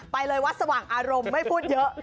ไปเลยวัดสว่างอารมณ์ไม่พูดเยอะ